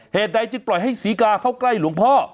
เหตุใดจึงปล่อยให้ศรีกาเข้าใกล้หลวงพ่อ